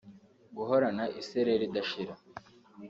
Guhorana isereri idashira